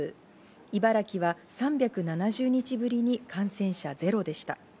茨城は３７０日ぶりに感染者０でした。